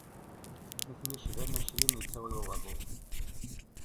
Nutni cban aclim yettawi waḍu.